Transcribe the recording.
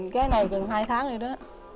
cái này gần hai tháng rồi đó